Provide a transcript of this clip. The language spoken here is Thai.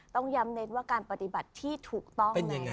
ต้องย้ำเน้นว่าการปฏิบัติที่ถูกต้อง